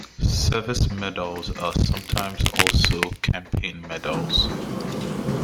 Service medals are sometimes also Campaign medals.